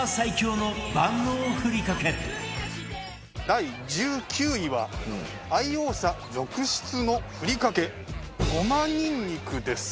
第１９位は愛用者続出のふりかけごまにんにくです。